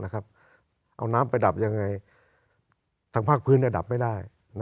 เอาน้ำไปดับยังไงทางภาคพื้นดับไม่ได้